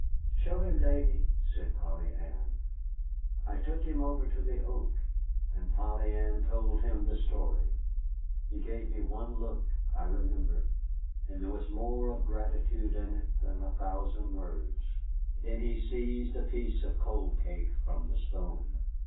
"Show him, Davy," said Polly Ann. I took him over to the oak, and Polly Ann told him the story. He gave me one look, I remember, and there was more of gratitude in it than in a thousand words. Then he seized a piece of cold cake from the stone.